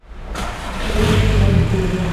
Murió de embolia pulmonar.